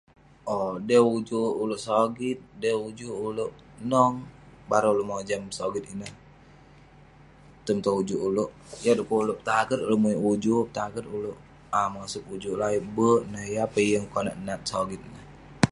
Owk..m'dey ujuk ulouk sogit..m'dey ujuk ulouk nong..bareng ulouk mojam sogit ineh.. term tong ujuk ulouk..yah du'kuk ulouk petaget ulouk muwik ujuk, petaget ulouk um mosup ujuk ulouk ayuk berk..nak yah peh eh yeng konak nat sogit neh..